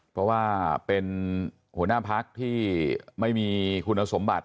เพราะว่าเป็นหัวหน้าพักที่ไม่มีคุณสมบัติ